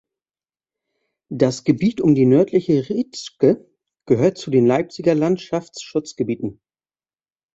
Das Gebiet um die Nördliche Rietzschke gehört zu den Leipziger Landschaftsschutzgebieten.